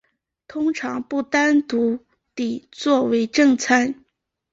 通常不单独地作为正餐。